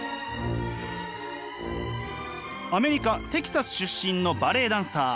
アメリカ・テキサス出身のバレエダンサー鈴木里佳子さん。